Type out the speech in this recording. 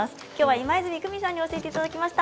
今泉久美さんに教えていただきました。